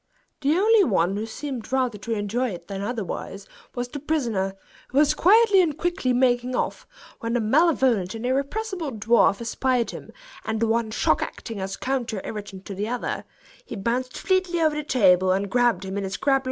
The only one who seemed rather to enjoy it than otherwise was the prisoner, who was quietly and quickly making off, when the malevolent and irrepressible dwarf espied him, and the one shock acting as a counter irritant to the other, he bounced fleetly over the table, and grabbed him in his crab like claws.